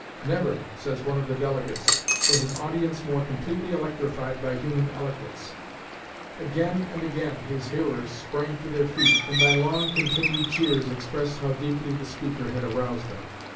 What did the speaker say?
"Never," says one of the delegates, "was an audience more completely electrified by human eloquence. Again and again his hearers sprang to their feet, and by long continued cheers expressed how deeply the speaker had aroused them."